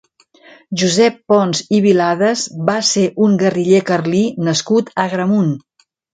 Josep Pons i Viladas va ser un guerriller carlí nascut a Agramunt.